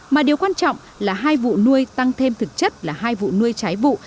mà điều quan trọng là hai vụ nuôi tăng thêm thực chất là hai vụ nuôi trái vụ